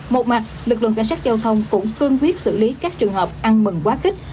một mặt lực lượng cảnh sát giao thông cũng cương quyết xử lý các trường hợp ăn mừng quá khích